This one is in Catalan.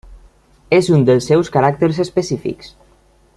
És un dels seus caràcters específics.